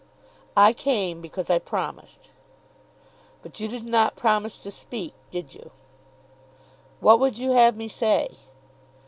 "I came because I promised." "But you did not promise to speak; did you?" "What would you have me say?"